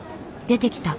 出てきた。